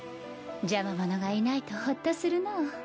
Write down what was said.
邪魔者がいないとほっとするのう。